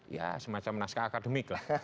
ya semacam naskah akademik